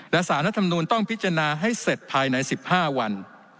และสารรัฐมนูลต้องพิจารณาให้เสร็จภายใน๑๕วัน